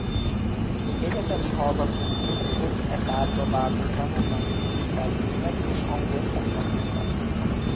Még egyetemi hallgatóként több e tárgyba vágó tanulmányt publikált német és angol szaklapokban.